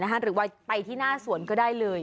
หรือว่าไปที่หน้าสวนก็ได้เลย